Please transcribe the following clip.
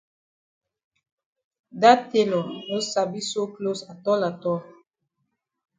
Dat tailor no sabi sew closs atol atol.